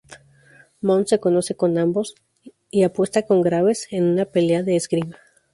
Bond se conoce con ambos y apuesta con Graves en una pelea de esgrima.